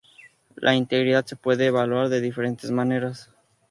La integridad se puede evaluar de diferentes maneras.